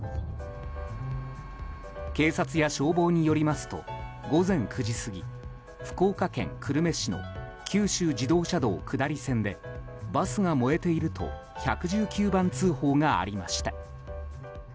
警察や消防によりますと午前９時過ぎ福岡県久留米市の九州自動車道下り線でバスが燃えていると１１９番通報がありました。